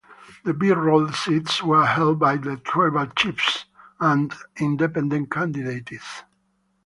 The 'B' Roll seats were held by Tribal Chiefs and independent candidates.